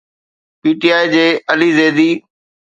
P T I جي علي زيدي